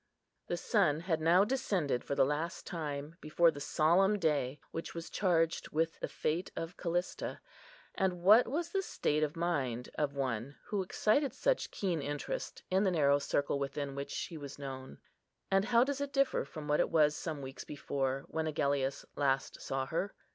The sun had now descended for the last time before the solemn day which was charged with the fate of Callista, and what was the state of mind of one who excited such keen interest in the narrow circle within which she was known? And how does it differ from what it was some weeks before, when Agellius last saw her?